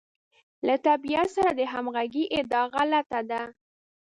له طبیعت سره د همغږۍ ادعا غلطه ده.